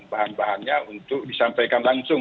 bahan bahannya untuk disampaikan langsung